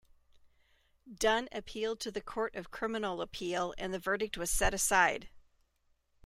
Dunn appealed to the Court of Criminal Appeal and the verdict was set aside.